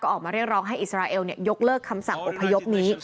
ออกมาเรียกร้องให้อิสราเอลยกเลิกคำสั่งอพยพนี้